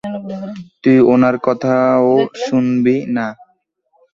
তুই উনার কথাও শুনবি না।